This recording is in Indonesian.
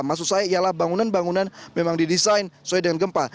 maksud saya ialah bangunan bangunan memang didesain sesuai dengan gempa